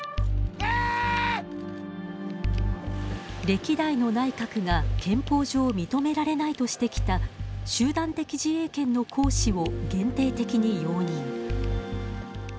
歴代の内閣が憲法上、認められないとしてきた集団的自衛権の行使を限定的に容認。